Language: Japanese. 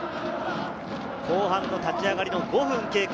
後半立ち上がりの５分経過。